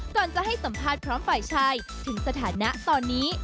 ก่อนจะให้สัมภาษณ์พร้อมฝ่ายชายถึงสถานะตอนนี้